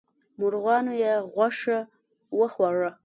مرغانو یې غوښه وخوړه.